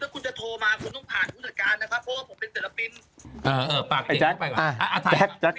คือถ้าคุณจะโทรมาคุณต้องผ่านผู้จัดการนะครับ